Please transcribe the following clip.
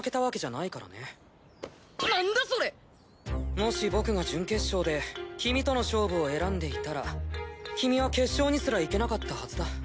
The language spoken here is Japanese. もし僕が準決勝で君との勝負を選んでいたら君は決勝にすら行けなかったはずだ。